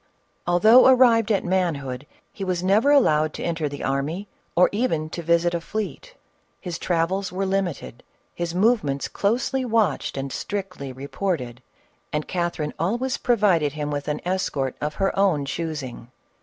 Although arrived at manhood, he was never allowed to enter the army, or even to visit a fleet ; his travels were limited, his movements closely watched and strictly reported, and Catherine always provided him with an escort of her own choosing.